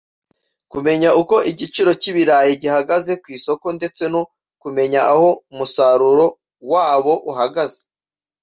kumenya uko igiciro cy’ibarayi gihagaze ku isoko ndetse no kumenya aho umusaruro wabo uhagaze